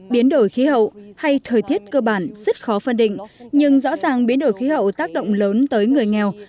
biến đổi khí hậu hay thời tiết cơ bản rất khó phân định nhưng rõ ràng biến đổi khí hậu tác động lớn tới người nghèo